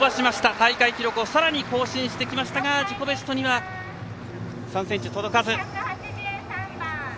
大会記録をさらに更新してきましたが自己ベストには３ｃｍ届かず。